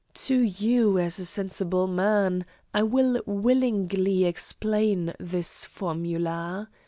To you, as a sensible man, I will willingly explain this formula.